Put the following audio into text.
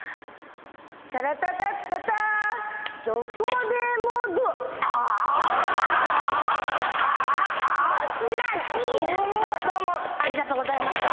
「タラタタッタター」どうもありがとうございました。